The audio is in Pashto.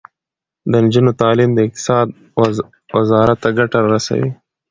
د نجونو تعلیم د اقتصاد وزارت ته ګټه رسوي.